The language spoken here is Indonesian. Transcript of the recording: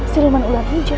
siluman ular hijau